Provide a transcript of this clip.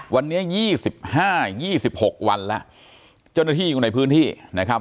วันนี้๒๕๒๖วันแล้วเจ้าหน้าที่อยู่ในพื้นที่นะครับ